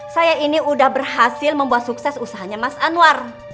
saya ini udah berhasil membuat sukses usahanya mas anwar